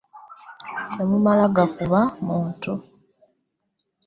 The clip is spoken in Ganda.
Temmumala gakuba bantu.